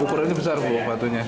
ukurannya besar bu batunya